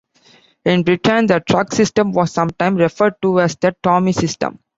In Britain the truck system was sometimes referred to as the Tommy system.